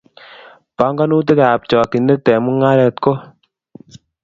Panganutikab chokchinet eng mungaret ko